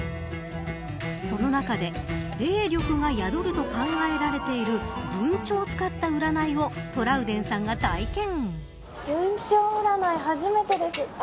その中で、霊力が宿ると考えられている文鳥を使った占いをトラウデンさんが体験。